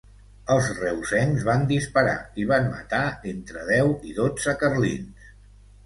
Els reusencs van disparar i van matar entre deu i dotze carlins.